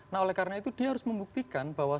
nah oleh karena itu dia harus membuktikan bahwa